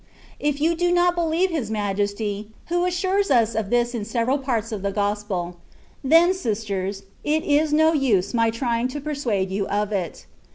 ^^ If you do not believe His Majesty, who assures us of this in several parts of the Gospel, then, sisters, it is no use my trying to persuade you of it.